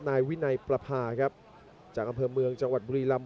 นายวินัยประพาครับจากอำเภอเมืองจังหวัดบุรีลำ